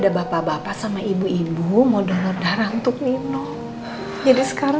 eh bentar bentar